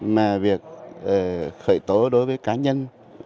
mà việc khởi tố đối với cá nhân